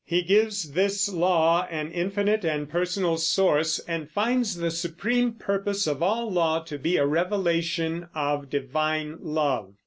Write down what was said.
He gives this law an infinite and personal source, and finds the supreme purpose of all law to be a revelation of divine love.